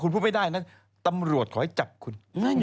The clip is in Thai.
คุณพูดไม่ได้นะตำรวจขอให้จับคุณ